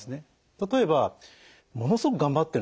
例えばものすごく頑張ってるんだと。